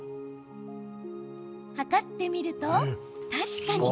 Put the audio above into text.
測ってみると確かに。